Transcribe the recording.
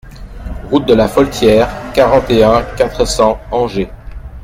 Route de la Foltiere, quarante et un, quatre cents Angé